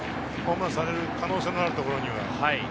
飛ばされる可能性があるところには。